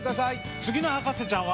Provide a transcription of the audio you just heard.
次の博士ちゃんは。